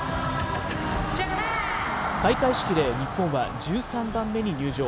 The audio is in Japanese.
開会式で日本は１３番目に入場。